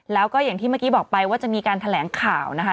แล้วก็อย่างที่เมื่อกี้บอกไปว่าจะมีการแถลงข่าวนะคะ